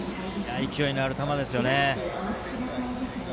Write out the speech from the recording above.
勢いのある球ですよね。